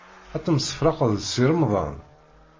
Ad temsefraqeḍ d Si Remḍan?